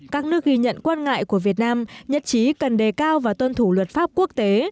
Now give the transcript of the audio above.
các nước ghi nhận quan ngại của việt nam nhất trí cần đề cao và tuân thủ luật pháp quốc tế